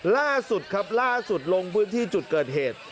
ล่าสุดครับล่าสุดลงพื้นที่จุดเกิดเหตุ